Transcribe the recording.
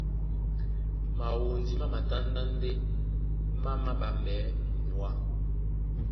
Mawondi má matándá ndé má māɓambɛɛ́ munyuá.